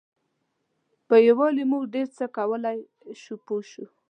په یووالي موږ ډېر څه کولای شو پوه شوې!.